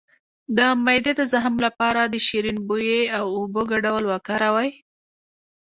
د معدې د زخم لپاره د شیرین بویې او اوبو ګډول وکاروئ